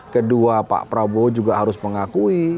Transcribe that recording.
kedua pak prabowo juga harus mengakui